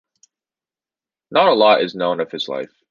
Not a lot is known of his life.